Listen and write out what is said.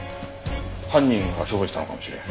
犯人が処分したのかもしれん。